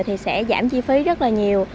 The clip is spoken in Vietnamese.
thì sẽ giảm chi phí rất là nhiều